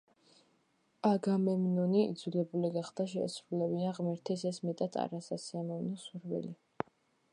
აგამემნონი იძულებული გახდა შეესრულებინა ღმერთის ეს მეტად არასასიამოვნო სურვილი.